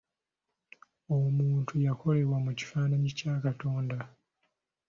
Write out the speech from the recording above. Omuntu yakolebwa mu kifaananyi kya Katonda.